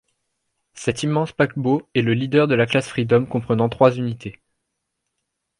Cet immense paquebot est le leader de la classe Freedom comprenant trois unités.